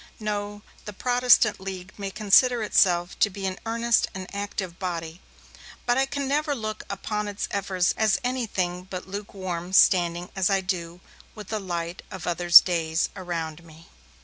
No, the Protestant League may consider itself to be an earnest and active body, but I can never look upon its efforts as anything but lukewarm, standing, as I do, with the light of other days around me.